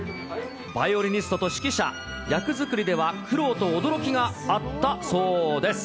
バイオリニストと指揮者、役作りでは苦労と驚きがあったそうです。